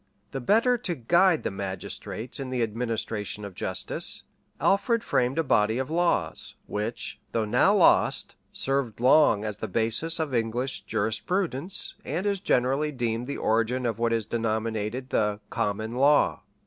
] The better to guide the magistrates in the administration of justice, Alfred framed a body of laws, which, though now lost, served long as the basis of English jurisprudence, and is generally deemed the origin of what is denominated the COMMON LAW.